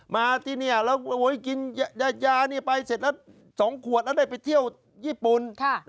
มาที่นี่แล้วกินยานี่ไปเสร็จแล้ว๒ขวดแล้วได้ไปเที่ยวญี่ปุ่น